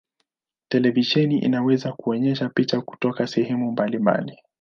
Televisheni inaweza kuonyesha picha kutoka sehemu mbalimbali.